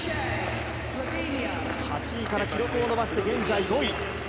８位から記録を伸ばして現在５位。